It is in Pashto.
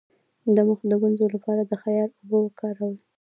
د مخ د ګونځو لپاره د خیار اوبه وکاروئ